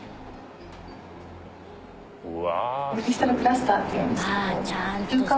うわ。